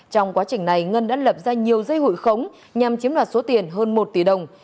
trong quá trình này ngân đã lập ra nhiều dây hụi khống nhằm chiếm đoạt số tiền hơn một tỷ đồng